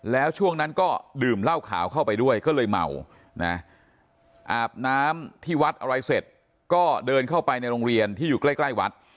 แล้วช่วงนั้นก็ดื่มเหล้าขาวเข้าไปด้วยก็เลยเมานะอาบน้ำที่วัดอะไรเสร็จก็เดินเข้าไปในโรงเรียนที่อยู่ใกล้วัด